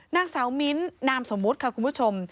นางสาวมิ้นท์นามสมมุติค่ะคุณผู้ชม